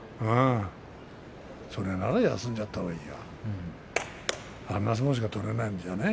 それなら休んじゃったほうがいいあんな相撲しか取れないならね。